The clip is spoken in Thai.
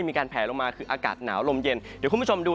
มีการแผลลงมาคืออากาศหนาวลมเย็นเดี๋ยวคุณผู้ชมดู